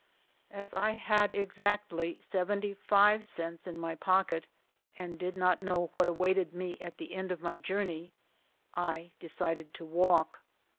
As I had exactly seventy five cents in my pocket and did not know what awaited me at the end of my journey, I decided to walk.